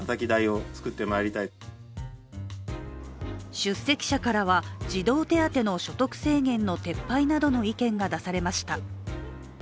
出席者からは児童手当の所得制限の撤廃などの意見が出されました。